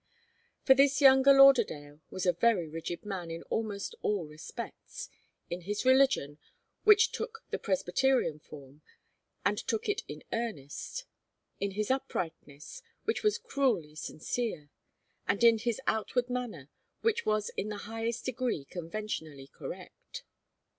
For this younger Lauderdale was a very rigid man in almost all respects: in his religion, which took the Presbyterian form, and took it in earnest; in his uprightness, which was cruelly sincere; and in his outward manner, which was in the highest degree conventionally correct.